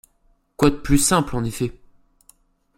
Quoi de plus simple en effet ?